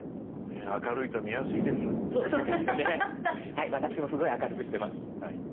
はい私もすごい明るくしてます。